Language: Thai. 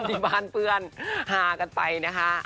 ที่บ้านเพื่อนฮากันไปนะคะ